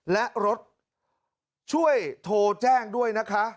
และรถช่วยโทรแจ้งด้วยนะคะ